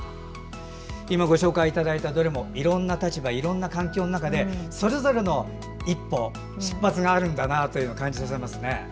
今ご紹介いただいたどれもいろんな立場いろんな環境の中でそれぞれの一歩、出発があるんだなと感じさせますね。